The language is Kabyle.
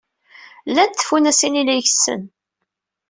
Llant tfunasin ay la ikessen.